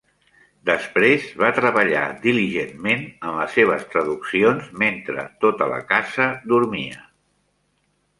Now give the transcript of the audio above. Després va treballar diligentment en les seves traduccions mentre tota la casa dormia.a